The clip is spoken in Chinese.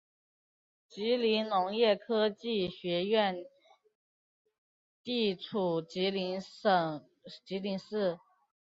吉林农业科技学院地处吉林省吉林市。